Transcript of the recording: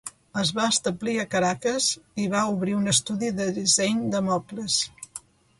Es va establir a Caracas i va obrir un estudi de disseny de mobles.